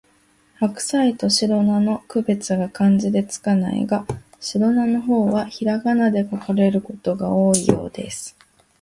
ハクサイとシロナの区別が漢字で付かないが、シロナの方はひらがなで書かれることが多いようです